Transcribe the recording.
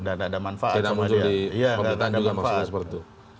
nggak ada manfaat